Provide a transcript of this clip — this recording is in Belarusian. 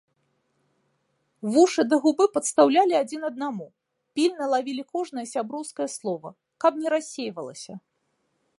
Вушы да губы падстаўлялі адзін аднаму, пільна лавілі кожнае сяброўскае слова, каб не рассейвалася.